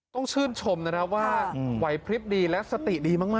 ต้องชื่นชมนะนะว่าไหวพลิบดีและสติดีมาก